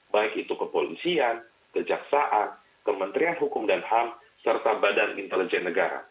baik itu kepolisian kejaksaan kementerian hukum dan ham serta badan intelijen negara